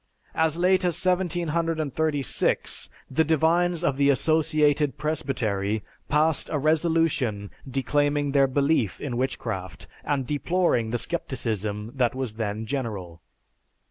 As late as 1736, the divines of the Associated Presbytery passed a resolution declaiming their belief in witchcraft, and deploring the scepticism that was then general.